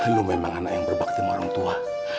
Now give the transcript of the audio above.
lu memang anak yang berbakti marung tua